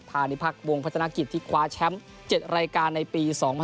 นิพักษ์วงพัฒนากิจที่คว้าแชมป์๗รายการในปี๒๐๑๖